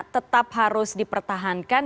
tetap harus dipertahankan